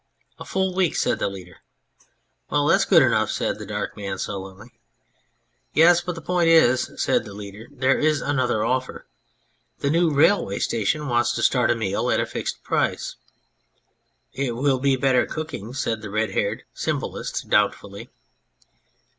" A full week/' said the leader. " Well, that's good enough," said the dark man sullenly. " Yes, but the point is," said the leader, " there is another offer : the new railway station wants to start a meal at a fixed price." "It will be better cooking," said the red haired Symbolist doubtfully.